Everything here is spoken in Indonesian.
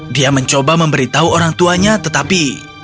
dia mencoba memberitahu orang tuanya tetapi